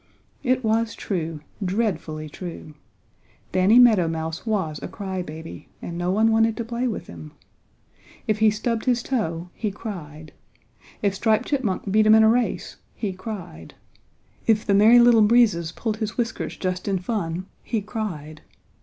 It was true, dreadfully true! Danny Meadow Mouse was a cry baby and no one wanted to play with him. If he stubbed his toe he cried. If Striped Chipmunk beat him in a race he cried. If the Merry Little Breezes pulled his whiskers just in fun he cried.